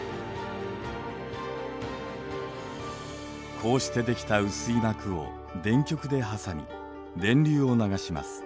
こうして出来た薄い膜を電極で挟み電流を流します。